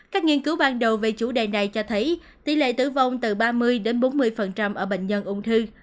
các nghiên cứu ban đầu về chủ đề này cho thấy tỷ lệ tử vong từ ba mươi đến bốn mươi ở bệnh nhân ung thư